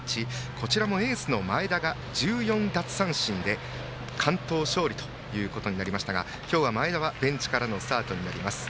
こちらもエースの前田が１４奪三振で完投勝利となりましたが今日、前田はベンチからのスタートです。